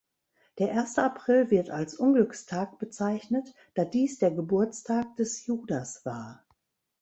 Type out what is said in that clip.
Der erste April wird als Unglückstag bezeichnet, da dies der Geburtstag des Judas war.